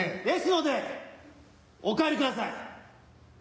ですのでお帰りください。